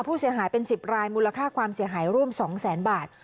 ผู้เสียหายเป็น๑๐รายมูลค่าความเสียหายร่วม๒แสนบาท